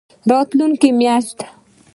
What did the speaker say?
راتلونکې میاشت